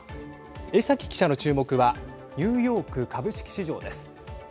江崎記者の注目はニューヨーク株式市場です。